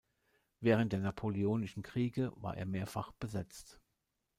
Während der Napoleonischen Kriege war er mehrfach besetzt.